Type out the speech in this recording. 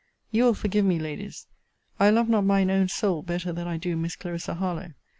You will forgive me, Ladies: I love not mine own soul better than I do Miss Clarissa Harlowe.